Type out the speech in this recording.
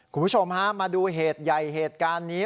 คุณผู้ชมฮะมาดูเหตุใหญ่เหตุการณ์นี้